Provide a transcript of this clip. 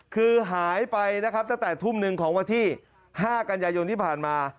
คือหายไปนะครับตั้งแต่ทุ่มหนึ่งของวันที่๕กันยายนที่ผ่านมา